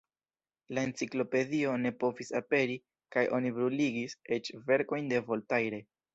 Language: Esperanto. La Enciklopedio ne povis aperi kaj oni bruligis eĉ verkojn de Voltaire.